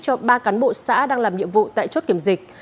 cho ba cán bộ xã đang làm nhiệm vụ tại chốt kiểm dịch